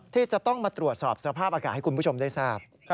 ที่จะต้องมาตรวจสอบสภาพอากาศให้คุณผู้ชมได้ทราบ